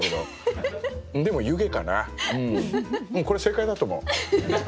これ正解だと思う。